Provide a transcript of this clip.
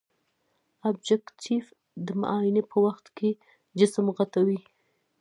ابجکتیف د معاینې په وخت کې جسم غټوي.